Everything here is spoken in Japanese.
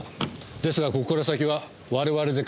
ですがここから先は我々で片付けますので。